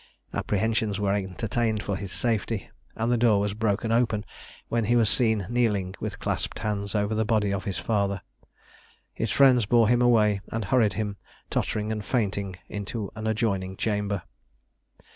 Apprehensions were entertained for his safety, and the door was broken open, when he was seen kneeling with clasped hands over the body of his father. His friends bore him away, and hurried him, tottering and fainting, into an adjoining chamber."